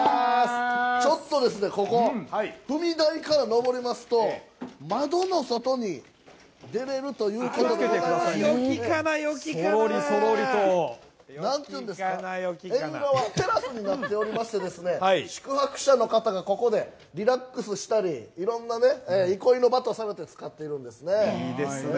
ちょっとここ、踏み台から上りますと、窓の外に出れるというよきかな、よきかな。なんていうんですか、縁側、テラスになっておりまして、宿泊者の方がここでリラックスしたり、いろんなね、憩いの場とされて使ってるんですね。